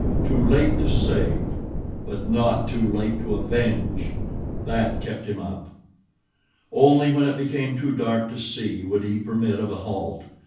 Too late to save; but not too late to avenge!" That kept him up. Only when it became too dark to see would he permit of a halt.